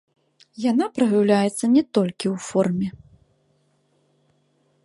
Яна праяўляецца не толькі ў форме.